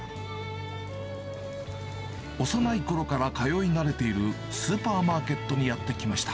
幼いころから通い慣れているスーパーマーケットにやって来ました。